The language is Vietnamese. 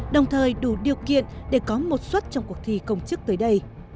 đồng thời đủ điều kiện để có một suất trong cuộc thi công chức tới đây